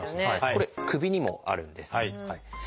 これ首にもあるんです。